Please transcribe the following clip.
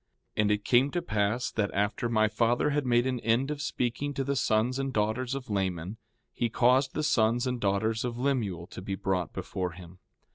4:8 And it came to pass that after my father had made an end of speaking to the sons and daughters of Laman, he caused the sons and daughters of Lemuel to be brought before him.